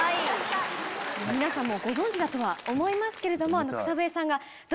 皆さんもご存じだとは思いますけれども。